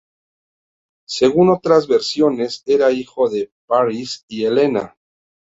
Según otras versiones, era hijo de Paris y Helena.